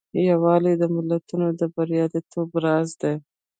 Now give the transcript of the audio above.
یووالی د ملتونو د بریالیتوب راز دی.